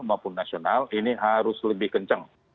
maupun nasional ini harus lebih kencang